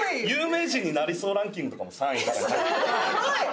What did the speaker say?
「有名人になりそうランキング」とかも３位。